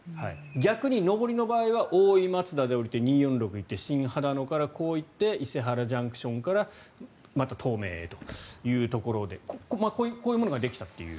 逆に上りの場合は大井松田で降りて２４６に行って新秦野からこう行って伊勢原ＪＣＴからまた東名へというところでこういうものができたと。